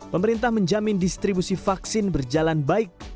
pemerintah menjamin distribusi vaksin berjalan baik